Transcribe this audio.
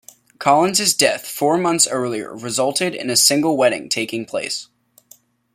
Collins' death four months earlier resulted in a single wedding taking place.